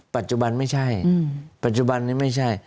ปัจจุบันไม่ใช่ปัจจุบันนี้ไม่ใช่